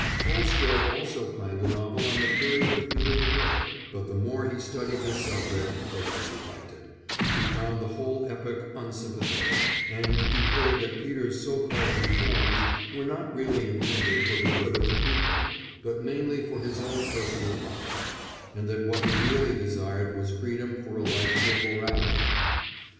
Tolstoy also planned a novel on the period of Peter the Great, but the more he studied this subject the less he liked it; he found the whole epoch unsympathetic, and declared that Peter's so called reforms were not really intended for the good of the people, but mainly for his own personal profit, and that what he really desired was freedom for a life of immorality.